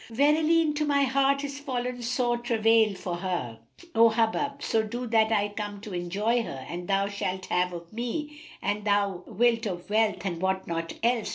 Verily, into my heart is fallen sore travail for her. O Hubub, so do that I come to enjoy her, and thou shalt have of me what thou wilt of wealth and what not else."